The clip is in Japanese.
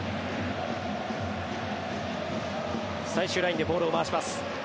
最終ラインでボールを回します。